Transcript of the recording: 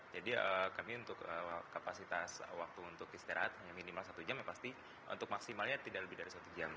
jadi kami untuk kapasitas waktu untuk istirahat yang minimal satu jam ya pasti untuk maksimalnya tidak lebih dari satu jam